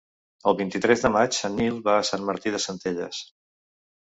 El vint-i-tres de maig en Nil va a Sant Martí de Centelles.